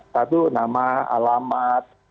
satu nama alamat